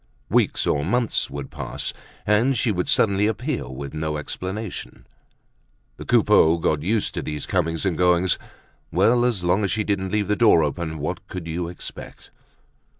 Weeks or months would pass and she would suddenly appear with no explanation. The Coupeaus got used to these comings and goings. Well, as long as she didn't leave the door open. What could you expect?